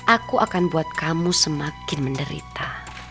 aku akan buat kamu semakin menderita